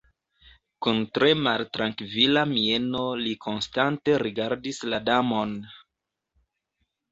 Kun tre maltrankvila mieno li konstante rigardis la Damon.